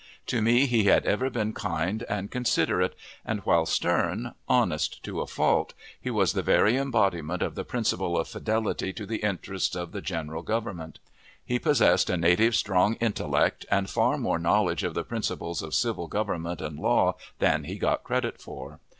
To me he had ever been kind and considerate, and, while stern, honest to a fault, he was the very embodiment of the principle of fidelity to the interests of the General Government. He possessed a native strong intellect, and far more knowledge of the principles of civil government and law than he got credit for.